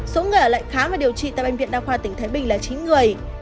số người lại khám và điều trị tại bệnh viện đa khoa tỉnh thái bình là chín người